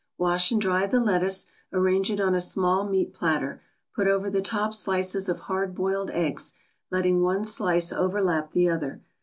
Wash and dry the lettuce, arrange it on a small meat platter, put over the top slices of hard boiled eggs, letting one slice overlap the other.